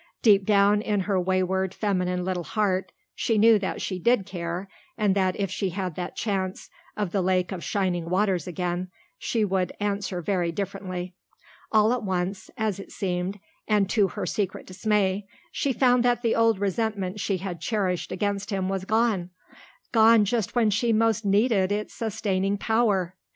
Deep down in her wayward, feminine little heart she knew that she did care, and that if she had that chance of the Lake of Shining Waters again she would answer very differently. All at once, as it seemed, and to her secret dismay, she found that the old resentment she had cherished against him was gone gone just when she most needed its sustaining power.